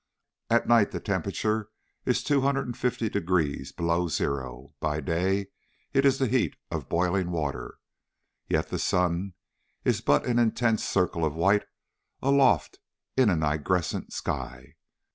At night the temperature is 250 degrees below zero; by day it is the heat of boiling water. Yet the sun is but an intense circle of white aloft in a nigrescent sky.